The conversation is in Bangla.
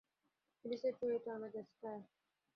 ফিলিসের চরিত্রে অ্যানা গাস্টায়ার।